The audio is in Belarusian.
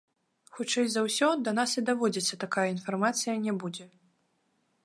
Хутчэй за ўсё, да нас і даводзіцца такая інфармацыя не будзе.